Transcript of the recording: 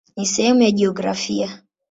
Ni sehemu ya jiografia.